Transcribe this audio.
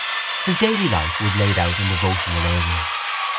His daily life was laid out in devotional areas.